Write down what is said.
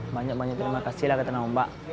banyak banyak terima kasihlah ke tanah ombak